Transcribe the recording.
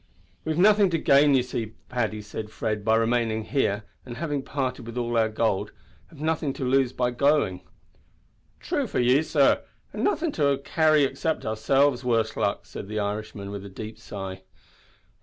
"We have nothing to gain, you see, Paddy," said Fred, "by remaining here, and, having parted with all our gold, have nothing to lose by going." "Thrue for ye, sor, an' nothin' to carry except ourselves, worse luck!" said the Irishman, with a deep sigh.